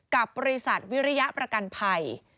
กับบริษัทวิริยประกันภัย